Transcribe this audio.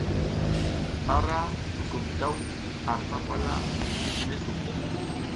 Ara dugum daw ar papala ngi cine ɗu.